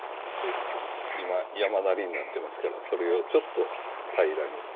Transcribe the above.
で今山なりになってますからそれをちょっと平らに。